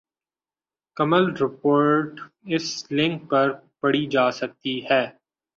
کمل report اس link پر پڑھی جا سکتی ہے ۔